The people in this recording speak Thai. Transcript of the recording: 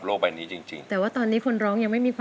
กลัวจะไม่ตรงใช่มั้ยคะ